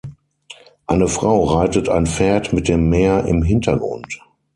Eine Frau reitet ein Pferd mit dem Meer im Hintergrund.